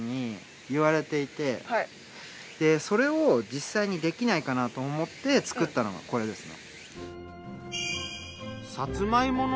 それを実際にできないかなと思って作ったのがこれですね。